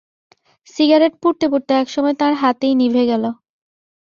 Cigarette পুড়তে-পুড়তে একসময় তাঁর হাতেই নিতে গেল।